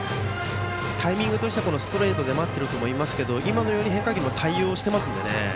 タイミングとしてはストレートで待っていると思いますけど今のように変化球にも対応しているので。